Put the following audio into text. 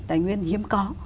tài nguyên hiếm có